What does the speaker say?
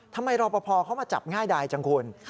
ทำไมรอพอเข้ามาจับง่ายดายจังคุณ